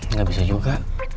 nggak bisa juga